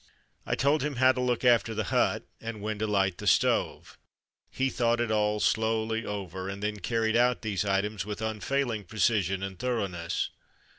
I told him how to look after the hut and when to light the stove. He thought it all slowly over and then carried out these items with unfailing precision and thoroughness.